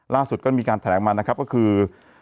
ล่าสุดก็มีการแถลงมานะครับก็คือ